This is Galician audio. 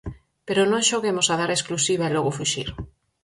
Pero non xoguemos a dar a exclusiva e logo fuxir.